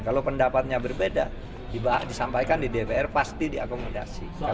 kalau pendapatnya berbeda disampaikan di dpr pasti diakomodasi